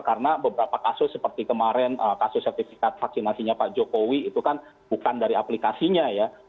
karena beberapa kasus seperti kemarin kasus sertifikat vaksinasinya pak jokowi itu kan bukan dari aplikasinya